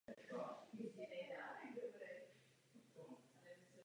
Mírou setrvačnosti je v takovém případě moment setrvačnosti.